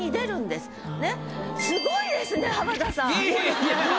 すごいですね浜田さん！